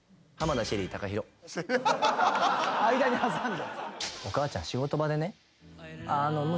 間に挟んだ。